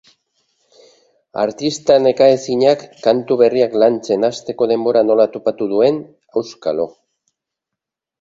Artista nekaezinak kantu berriak lantzen hasteko denbora nola topatu duen, auskalo.